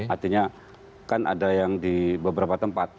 artinya kan ada yang di beberapa tempat